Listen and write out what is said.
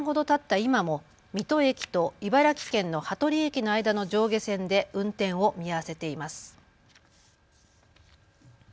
今も水戸駅と茨城県の羽鳥駅の間の上下線で運転を見合わせています。